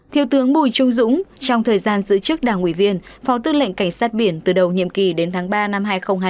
thiếu tướng bùi trung dũng trong thời gian giữ chức đảng ủy viên phó tư lệnh cảnh sát biển từ đầu nhiệm kỳ đến tháng ba năm hai nghìn hai mươi